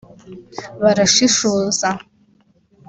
barashishoza